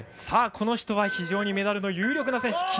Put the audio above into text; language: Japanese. この人は非常にメダルの有力な選手。